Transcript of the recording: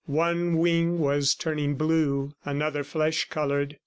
One wing was turning blue, another flesh colored.